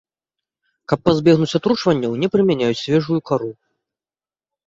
Каб пазбегнуць атручванняў, не прымяняюць свежую кару.